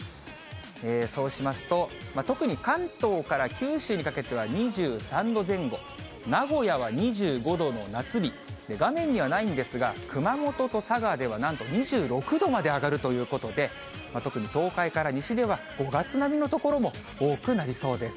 そうしますと、特に関東から九州にかけては２３度前後、名古屋は２５度の夏日、画面にはないんですが、熊本と佐賀ではなんと２６度まで上がるということで、特に東海から西では、５月並みの所も多くなりそうです。